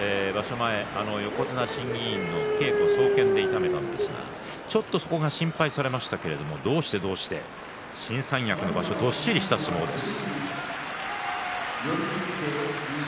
前、横綱審議委員の稽古総見で痛めたんですがちょっとそこが心配されましたがどうしてどうして新三役の場所どっしりとした相撲です。